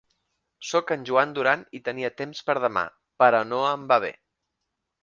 Soc en Joan Duran i tenia temps per demà, però no em va bé.